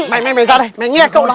mày mày mày ra đây mày nghe cậu nói